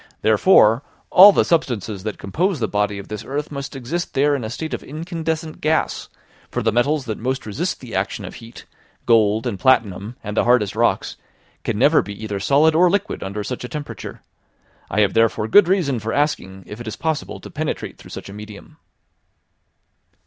Therefore, all the substances that compose the body of this earth must exist there in a state of incandescent gas; for the metals that most resist the action of heat, gold, and platinum, and the hardest rocks, can never be either solid or liquid under such a temperature. I have therefore good reason for asking if it is possible to penetrate through such a medium."